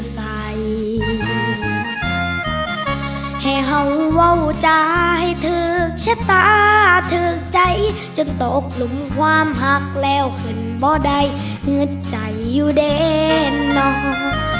สาธึกใจจนตกหลุมความหักแล้วเห็นบ่ได้งึดใจอยู่เด้นเนาะ